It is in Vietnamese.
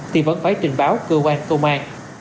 thì vẫn phải trình báo cơ quan công an